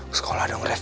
ke sekolah dong ref